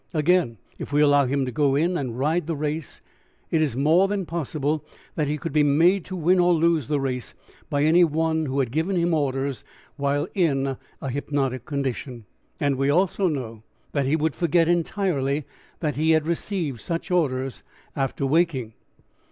Again, if we allow him to go in and ride the race, it is more than possible that he could be made to win or lose the race by any one who had given him orders while in a hypnotic condition, and we also know that he would forget entirely that he had received such orders after waking.